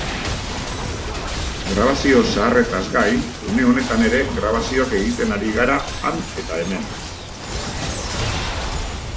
Grabazio zaharretaz gain, une honetan ere grabazioak egiten ari gara han eta hemen.